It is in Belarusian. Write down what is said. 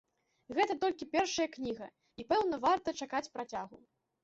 Гэта толькі першая кніга, і пэўна, варта чакаць працягу.